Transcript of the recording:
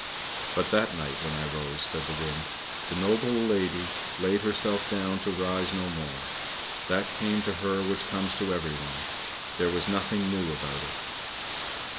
" But that night when I rose," said the wind, " the noble lady laid herself down to rise no more; that came to her which comes to everyone — there was nothing new about it.